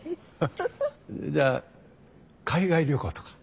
じゃあ海外旅行とか？